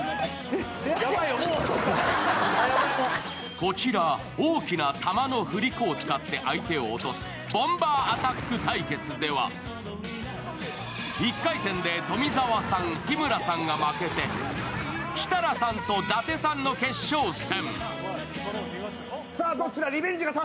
こちら、大きな玉の振り子を使って相手を落とすボンバーアタック対決では、１回戦で富澤さん、日村さんが負けて設楽さんと伊達さんの決勝戦。